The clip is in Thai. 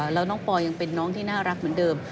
แล้วน้องปอยังเป็นน้องที่น่ารักเหมือนเดิม